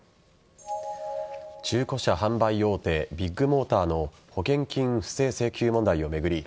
中古車販売大手ビッグモーターの保険金不正請求問題を巡り